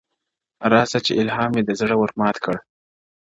o راسه چي الهام مي د زړه ور مات كـړ؛